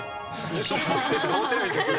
小学生と変わってないですよ。